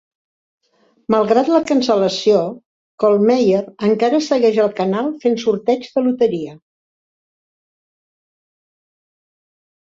Malgrat la cancel·lació, Kollmeyer encara segueix al canal fent sorteigs de loteria.